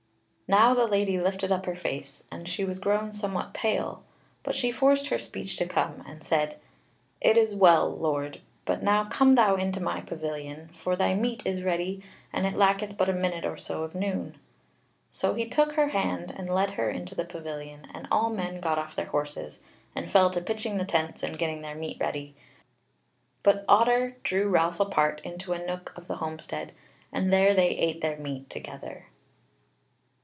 Now the lady lifted up her face, and she was grown somewhat pale; but she forced her speech to come, and said: "It is well, Lord, but now come thou into my pavilion, for thy meat is ready, and it lacketh but a minute or so of noon." So he took her hand and led her in to the pavilion, and all men got off their horses, and fell to pitching the tents and getting their meat ready; but Otter drew Ralph apart into a nook of the homestead, and there they ate their meat together.